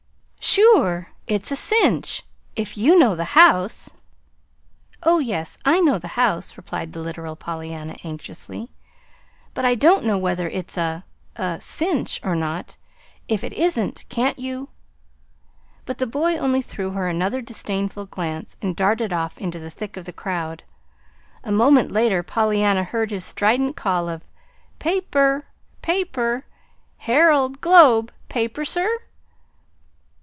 "Sure! It's a cinch if you know the house." "Oh, yes, I know the house," replied the literal Pollyanna, anxiously, "but I don't know whether it's a a cinch, or not. If it isn't, can't you " But the boy only threw her another disdainful glance and darted off into the thick of the crowd. A moment later Pollyanna heard his strident call of "paper, paper! Herald, Globe, paper, sir?"